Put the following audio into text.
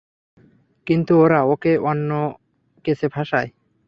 কিন্তু ওরা ওকে অন্য কেসে ফাঁসায়।